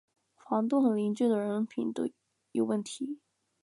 房东和邻居的人品有问题